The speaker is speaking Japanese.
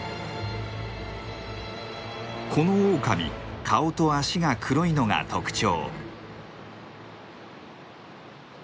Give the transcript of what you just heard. このオオカミ顔と脚が黒いのが特徴。